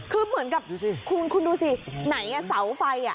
คือเหมือนกับคุณดูสิไหนอ่ะเสาไฟอ่ะ